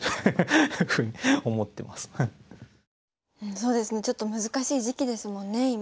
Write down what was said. そうですねちょっと難しい時期ですもんね今。